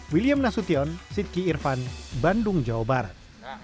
william nasution sidky irvan bandung jawa barat